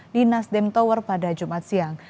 di nasdem tower pada jumat siang